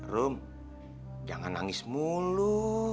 rum jangan nangis mulu